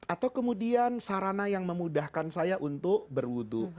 atau kemudian sarana yang memudahkan saya untuk berwudhu